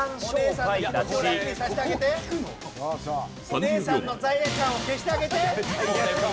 お姉さんの罪悪感を消してあげて。